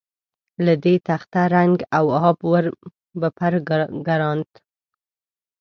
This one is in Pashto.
له دې تخته رنګ او آب ور بپراګند.